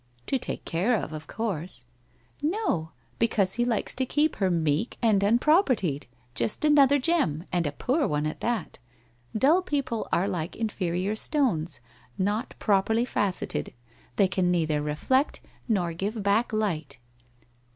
' To take care of, of course.' 1 No, because he likes to keep her meek and unprop ertied, just another gem, and a poor one at that. Dull people arc like inferior stones, not properly facetted — they can noil her reflect nor give back light.'